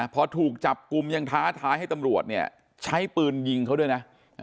พอถูกจับกลุ่มยังท้าท้ายให้ตำรวจเนี่ยใช้ปืนยิงเขาด้วยนะ